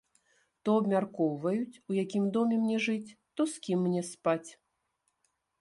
То абмяркоўваюць, у якім доме мне жыць, то з кім мне спаць.